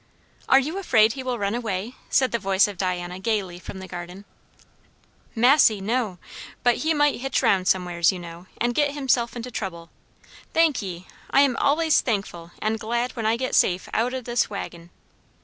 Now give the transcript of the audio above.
"Are you afraid he will run away?" said the voice of Diana gaily from the garden. "Massy! no; but he might hitch round somewheres, you know, and get himself into trouble. Thank ye I am allays thankful and glad when I get safe out o' this waggin."